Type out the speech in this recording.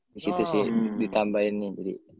di situ sih ditambahin nih